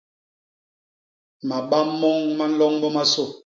Mabam moñ ma nlôñ momasô.